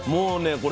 これ。